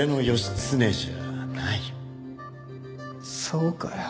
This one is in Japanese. そうかよ。